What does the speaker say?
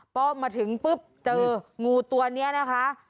ป้อมมาถึงปุ๊บเจองูตัวนี้นะคะ